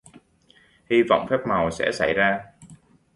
Hi vọng phép màu sẽ xảy ra